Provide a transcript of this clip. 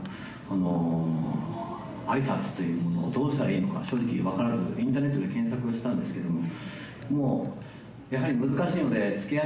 挨拶というものをどうしたらいいのか正直分からずインターネットで検索したんですけども。